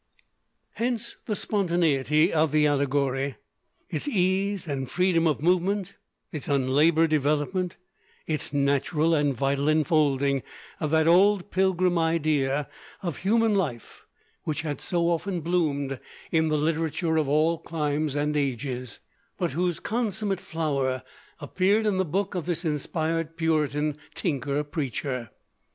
Hence the spontaneity of the allegory, its ease and freedom of movement, its unlabored development, its natural and vital enfolding of that old pilgrim idea of human life which had so often bloomed in the literature of all climes and ages, but whose consummate flower appeared in the book of this inspired Puritan tinker preacher.